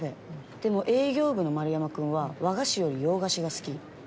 でも営業部のマルヤマ君は和菓子より洋菓子が好き。